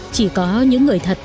chỉ có những người thật